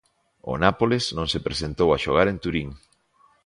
O Nápoles non se presentou a xogar en Turín.